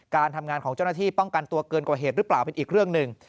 การทำงานของเจ้าหน้าที่ป้องกันตัวเกินกว่าเหตุหรือเปล่าเป็นอีกเรื่องหนึ่ง